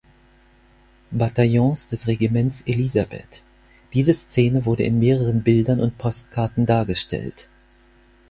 Bataillons des Regiments Elisabeth, diese Szene wurde in mehreren Bildern und Postkarten dargestellt.